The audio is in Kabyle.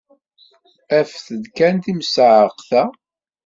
Afet-d kan timseɛṛeqt-a!